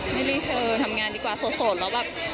ไม่รีเคยทำงานดีกว่าสดแล้วแบบ